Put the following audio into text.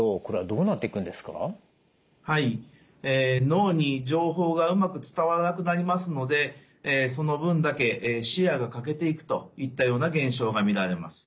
脳に情報がうまく伝わらなくなりますのでその分だけ視野が欠けていくといったような現象が見られます。